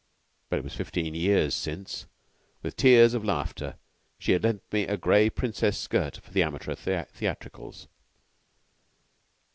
But it was fifteen years since, with tears of laughter, she had lent me a gray princess skirt for amateur theatricals.